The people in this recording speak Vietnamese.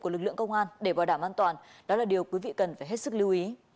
của lực lượng công an để bảo đảm an toàn đó là điều quý vị cần phải hết sức lưu ý